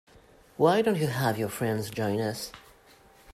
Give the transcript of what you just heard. Why don't you have your friends join us?